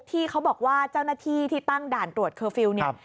ที่เขาบอกว่าเจ้าหน้าที่ที่ตั้งด่านตรวจเคอร์ฟิลล์เนี่ย